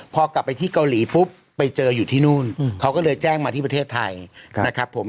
พอกลับไปที่เกาหลีปุ๊บไปเจออยู่ที่นู่นเขาก็เลยแจ้งมาที่ประเทศไทยนะครับผม